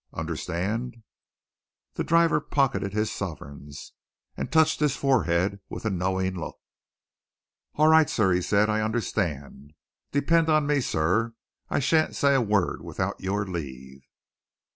Understand?" The driver pocketed his sovereigns, and touched his forehead with a knowing look. "All right, sir," he said. "I understand. Depend on me, sir I shan't say a word without your leave."